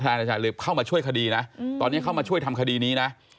อาจารย์เลยเข้ามาช่วยคดีนะตอนนี้เข้ามาช่วยทำคดีนี้นะ